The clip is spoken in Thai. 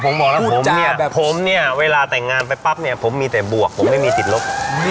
ผมบอกแล้วผมเนี่ยผมเนี่ยเวลาแต่งงานไปปั๊บเนี่ยผมมีแต่บวกผมไม่มีติดลบ